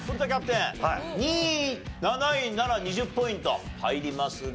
２位７位なら２０ポイント入りますが。